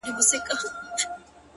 زه هم دا ستا له لاسه _